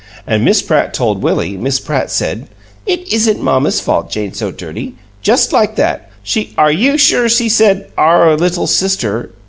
An' Miss Pratt told Willie Miss Pratt said, 'It isn't mamma's fault Jane's so dirty,' just like that. She " "Are you sure she said 'our little sister'?"